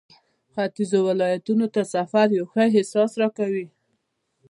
ختيځو ولایتونو ته سفر یو ښه احساس راکوي.